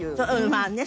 まあね